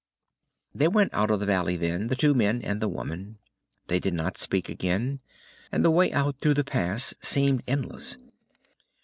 They went out of the valley then, the two men and the woman. They did not speak again, and the way out through the pass seemed endless.